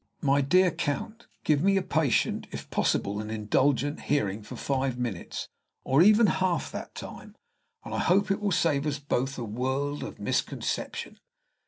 "My dear Count, give me a patient if possible, an indulgent hearing for five minutes, or even half that time, and I hope it will save us both a world of misconception.